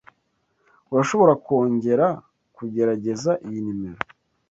Urashobora kongera kugerageza iyi nimero?